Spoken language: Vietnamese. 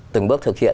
từng bước thực hiện